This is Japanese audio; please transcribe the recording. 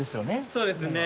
そうですね。